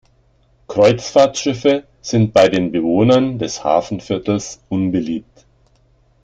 Kreuzfahrtschiffe sind bei den Bewohnern des Hafenviertels unbeliebt.